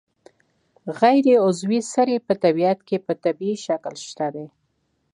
غیر عضوي سرې په طبیعت کې په طبیعي شکل شته دي.